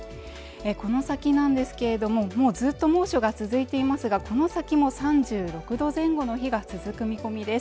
この先なんですけれどももうずっと猛暑が続いていますがこの先も３６度前後の日が続く見込みです